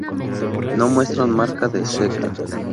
No muestran marca de ceca.